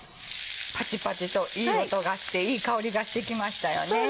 パチパチといい音がしていい香りがしてきましたよね。